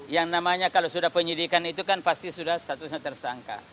yang namanya kalau sudah penyidikan itu kan pasti sudah statusnya tersangka